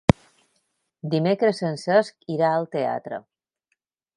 Dimecres en Cesc irà al teatre.